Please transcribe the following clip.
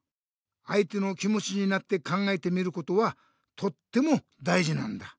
あいての気もちになって考えてみることはとってもだいじなんだ。